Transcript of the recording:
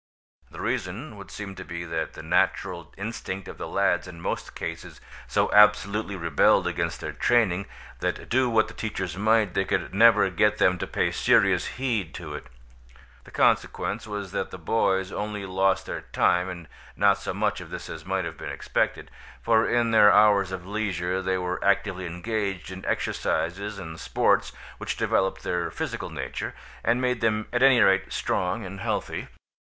The reason would seem to be that the natural instinct of the lads in most cases so absolutely rebelled against their training, that do what the teachers might they could never get them to pay serious heed to it. The consequence was that the boys only lost their time, and not so much of this as might have been expected, for in their hours of leisure they were actively engaged in exercises and sports which developed their physical nature, and made them at any rate strong and healthy.